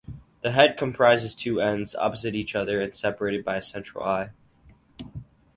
The head comprises two ends, opposite each other and separated by a central eye.